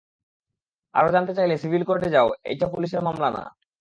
আরো জানতে চাইলে, সিভিল কোর্ট যাও, এইটা পুলিশের মামলা না।